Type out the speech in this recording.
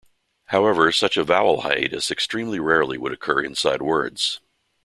However such a vowel hiatus extremely rarely would occur inside words.